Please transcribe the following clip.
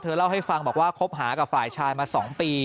เล่าให้ฟังบอกว่าคบหากับฝ่ายชายมา๒ปี